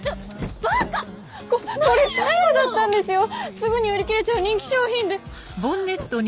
すぐに売り切れちゃう人気商品で。